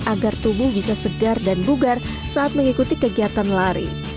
agar tubuh bisa segar dan bugar saat mengikuti kegiatan lari